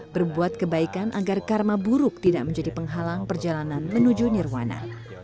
berbuat kebaikan agar karma buruk tidak menjadi penghalang perjalanan menuju nirwana